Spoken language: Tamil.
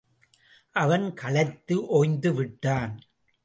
அவன் களைத்து ஒய்ந்துவிட்டான்.